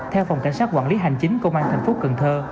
theo phòng cảnh sát quản lý hành chính công an tp cần thơ